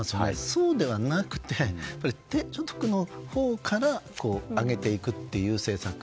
そうではなくて低所得のほうから上げていくという政策。